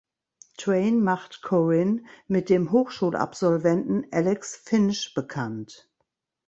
Train macht Corinne mit dem Hochschulabsolventen Alex Finch bekannt.